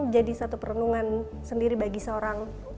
jadi satu perenungan sendiri bagi seorang